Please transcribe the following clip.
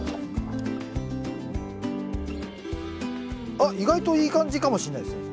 あ意外といい感じかもしんないです。